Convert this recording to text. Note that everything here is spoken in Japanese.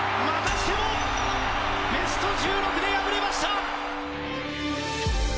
またしてもベスト１６で敗れました！